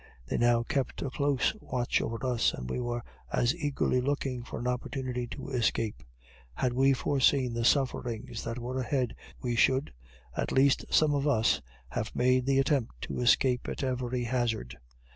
They now kept a close watch over us and we were as eagerly looking for an opportunity to escape. Had we forseen the sufferings that were ahead, we should, at least some us, have made the attempt to escape at every hazard.